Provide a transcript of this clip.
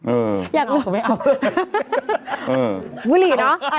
เอาก็ไม่เอาเลย